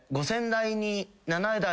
５，０００台に７台。